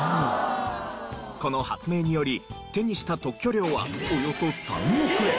この発明により手にした特許料はおよそ３億円！